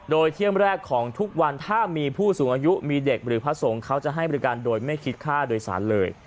โดยเที่ยงแรกของทุกวันถ้ามีผู้สูงอายุมีเด็กหรือพระสงฆ์เขาจะให้บริการโดยไม่คิดค่าโดยสารเลย